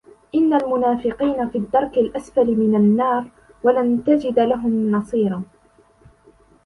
إن المنافقين في الدرك الأسفل من النار ولن تجد لهم نصيرا